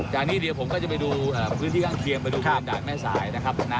จากนี้เดี๋ยวผมก็จะไปดูพื้นที่ข้างเคียงไปดูกันจากแม่สายนะครับ